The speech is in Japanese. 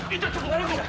何これ！